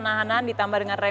jatian epa jayante